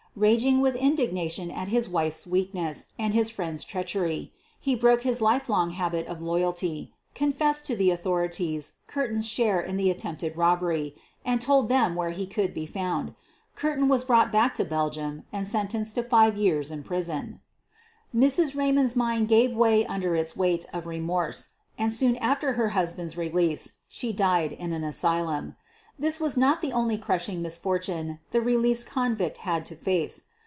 Raging with indignation at his wife's weakness and his friend's treachery, he broke his lifelong habit of loyalty, confessed to the author ities Curtin's share in the attempted robbery and told them where he could be found. Curtin was brought back to Belgium and sentenced to five years in prison. 60 SOPHIE LYONS Mrs. Raymond's mind gave way under its weight of remorse, and soon after her husband's release she died in an asylum. This was not the only crush ing misfortune the released convict had to face.